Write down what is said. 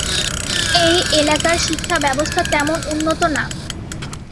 এই এলাকার শিক্ষা ব্যবস্থা তেমন উন্নত না।